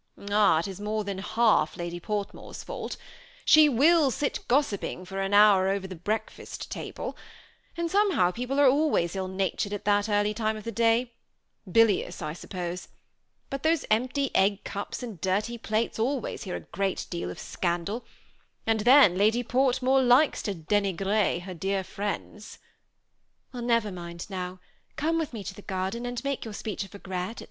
^Ah! it is more than half Lady Portmore's fault She vfiU sit gossiping for an hoar over the breakfast table ; and somehow people are always ill natured at that early time of the day, — bilipus, I suppose ; bat those empty egg cups and dirty plates always hear a great deal of scandal, and then Lady Portmore likes to dini" grer her dear friends" " Well, never mind now ; come with me to the gar den, and make your speech of regret, &c."